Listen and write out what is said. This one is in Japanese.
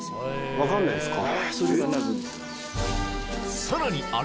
分かんないんですか？